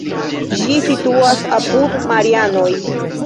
Ĝi situas apud Marianoj.